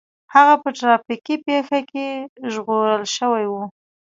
هغه په ټرافيکي پېښه کې ژغورل شوی و